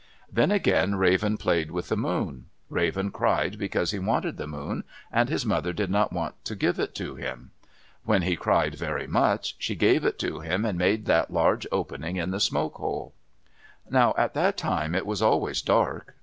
Then again Raven played with the moon. Raven cried because he wanted the moon, and his mother did not want to give it to him. When he cried very much, she gave it to him and made that large opening in the smoke hole. Now at that time it was always dark.